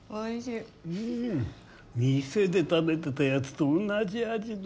店で食べてたやつと同じ味だ。